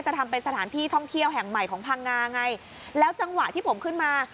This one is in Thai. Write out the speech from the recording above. ทำเป็นสถานที่ท่องเที่ยวแห่งใหม่ของพังงาไงแล้วจังหวะที่ผมขึ้นมา